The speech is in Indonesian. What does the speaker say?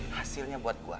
hasilnya buat aku gitu kan